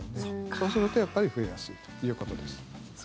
そうするとやっぱり増えやすいということです。